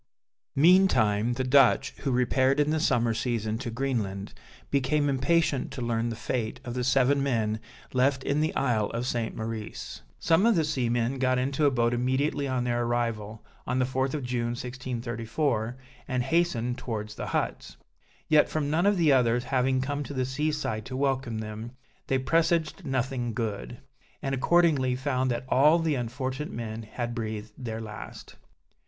Meantime the Dutch, who repaired in the summer season to Greenland, became impatient to learn the fate of the seven men left in the Isle of St. Maurice. Some of the seamen got into a boat immediately on their arrival, on the 4th of June 1634, and hastened towards the huts. Yet, from none of the others having come to the sea side to welcome them, they presaged nothing good; and accordingly found that all the unfortunate men had breathed their last.